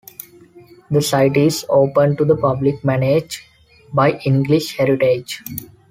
The site is open to the public, managed by English Heritage.